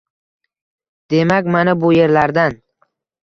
Demak, mana bu yerlardan